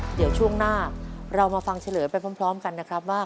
เดี๋ยวช่วงหน้าเรามาฟังเฉลยไปพร้อมกันนะครับว่า